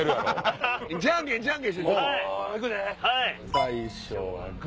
最初はグ！